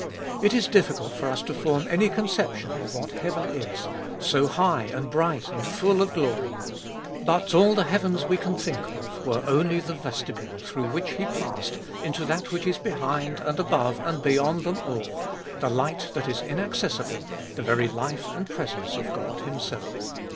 It is difficult for us to form any conception of what heaven is, so high, and bright, and full of glory. But all the heavens we can fboltest of ail 155 think of were only the vestibule through which he passed into that which is behind, and above and beyond them all — the light that is inaccessible, the very life and presence of God Himself.